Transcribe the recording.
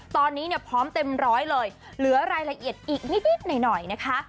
ตอนนี้เนี่ยพร้อมเต็มร้อยเลยเหลือรายละเอียดอีกนิดหน่อยนะคะ